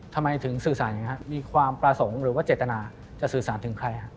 ทำไมถึงสื่อสารอย่างนี้ครับมีความประสงค์หรือว่าเจตนาจะสื่อสารถึงใครครับ